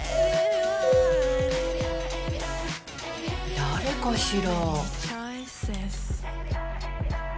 誰かしら？